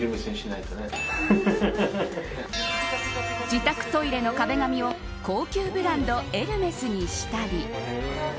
自宅トイレの壁紙を高級ブランドエルメスにしたり。